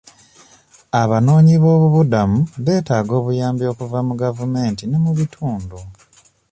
Abanoonyi b'obubudami beetaaga obuyambi okuva mu gavumenti ne mu bitundu.